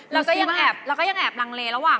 แล้วก็ยังแอบลังเลระหว่า